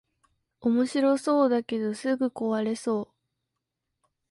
おもしろそうだけどすぐ壊れそう